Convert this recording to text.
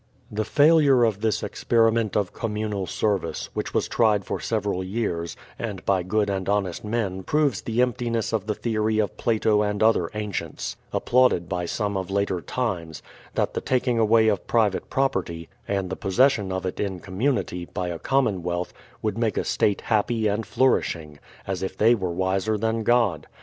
The failure of this experiment of communal service, which was tried for several years, and by good and honest men proves the emptiness of the theory of Plato and other ancients, applauded by some of later times, — that the taking away of private property, and the possession of it in com milnity, by a commonwealth, would make a state happy and flourishing; as if they were wiser than God.